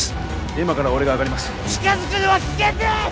今から俺が上がります近づくのは危険です！